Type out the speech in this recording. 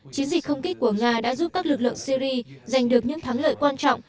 chiến dịch không kích của nga đã giúp các lực lượng syri giành được những thắng lợi quan trọng